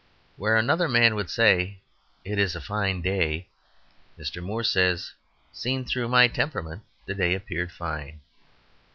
Where another man would say, "It is a fine day," Mr. Moore says, "Seen through my temperament, the day appeared fine."